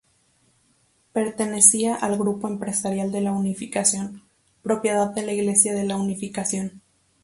Pertenecía al Grupo Empresarial de la Unificación, propiedad de la Iglesia de la Unificación.